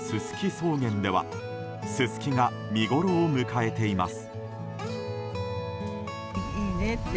草原ではススキが見ごろを迎えています。